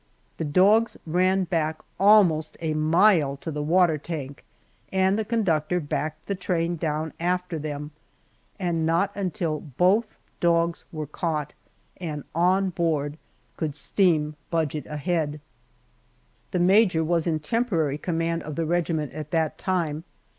The dogs ran back almost a mile to the water tank, and the conductor backed the train down after them, and not until both dogs were caught and on board could steam budge it ahead. The major was in temporary command of the regiment at that time.